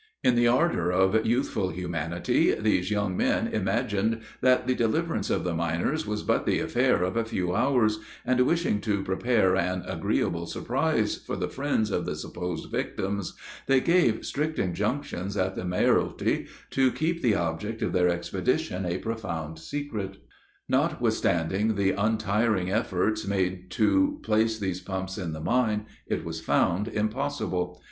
In the ardor of youthful humanity, these young men imagined that the deliverance of the miners was but the affair of a few hours; and, wishing to prepare an "agreeable surprise" for the friends of the supposed victims, they gave strict injunctions at the mayoralty to keep the object of their expedition a profound secret. Notwithstanding the untiring efforts made to place these pumps in the mine, it was found impossible.